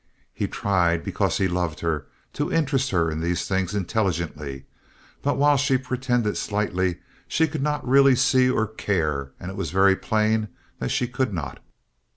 He tried, because he loved her, to interest her in these things intelligently, but while she pretended slightly, she could not really see or care, and it was very plain that she could not.